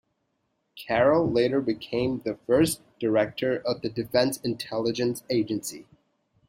Carroll later became the first director of the Defense Intelligence Agency.